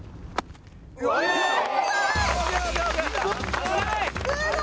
すごい！